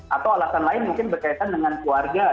atau alasan lain mungkin berkaitan dengan keluarga